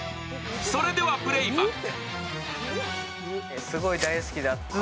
それではプレーバック。